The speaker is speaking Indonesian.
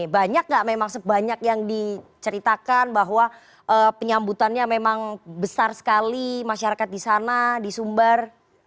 banyak nggak memang sebanyak yang diceritakan bahwa penyambutannya memang besar sekali masyarakat di sana di sumbar